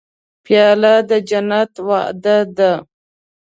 پیاله د جنت وعده ده.